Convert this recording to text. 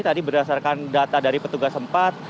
tadi berdasarkan data dari petugas sempat